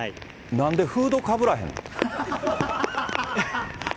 なんでフードかぶらへんの？